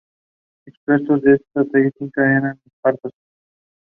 A story is prevalent in the context of this temple.